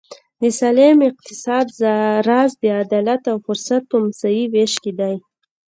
د سالم اقتصاد راز د عدالت او فرصت په مساوي وېش کې دی.